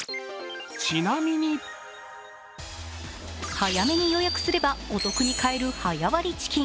早めに予約すればお得に買える早割チキン。